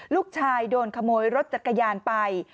ลูกชายโดนขโมยรถจักรยานไป